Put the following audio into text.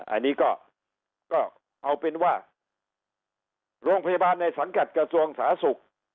อันนี้ก็เอาเป็นว่าโรงพยาบาลในสังกัดกระทรวงสาธารณสุข